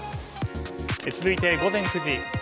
続いて午前９時。